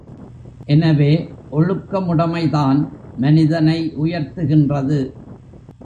எனவே ஒழுக்கமுடைமைதான் மனிதனை உயர்த்துகின்றது.